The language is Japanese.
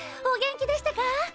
お元気でしたか！？